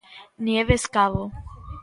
Nieves Cabo.